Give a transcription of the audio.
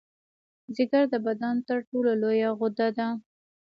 ځیګر د بدن تر ټولو لویه غده ده